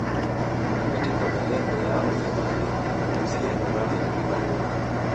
katika malengo yao ya mali uhusiano raha kulibaki